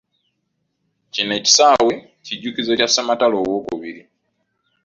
Kino ekisaawe, kijjukizo kya ssematalo owookubiri.